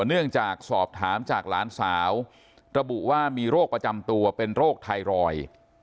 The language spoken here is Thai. เนื่องจากสอบถามจากหลานสาวระบุว่ามีโรคประจำตัวเป็นโรคไทรอยด์